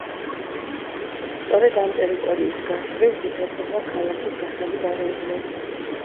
სწორედ ამ ტერიტორიის გასწვრივ ვითარდება ქალაქის ახალი გარეუბნები.